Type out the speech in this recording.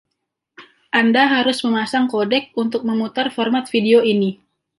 Anda harus memasang codec untuk memutar format video ini.